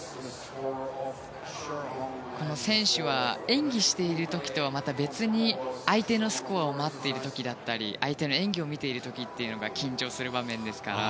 選手は演技している時とは別に相手のスコアを待っている時だったり相手の演技を見ている時というのが緊張する場面ですから。